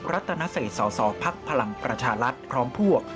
รัฐนาเศษศาสตร์ภักดิ์พลังประชาลัฐพร้อมพวก